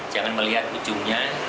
jangan melihat ujungnya